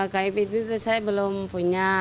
kip itu saya belum punya